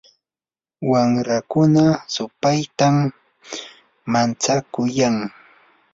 wamrakuna supaytam mantsakuyan.